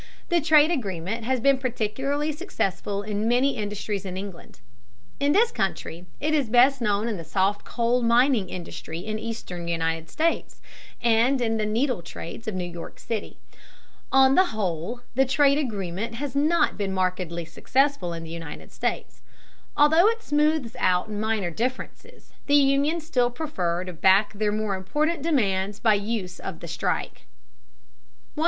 The trade agreement has been particularly successful in many industries in England. In this country it is best known in the soft coal mining industry in eastern United States, and in the needle trades of New York City. On the whole, the trade agreement has not been markedly successful in the United States. Although it smoothes out minor differences, the unions still prefer to back their more important demands by use of the strike. 192.